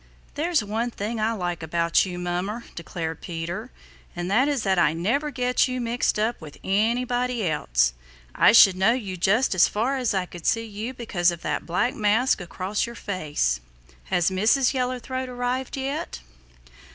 "There's one thing I like about you, Mummer," declared Peter, "and that is that I never get you mixed up with anybody else. I should know you just as far as I could see you because of that black mask across your face. Has Mrs. Yellow throat arrived yet?"